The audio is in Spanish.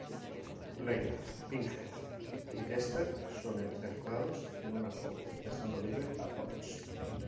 Blade, Pinhead y Jester, son encerrados en una jaula, dejando libre a Torch.